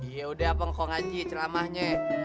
yaudah kong haji ceramahnya